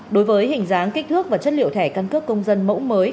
đối với hình dáng kích thước và chất liệu thẻ căn cước công dân mẫu mới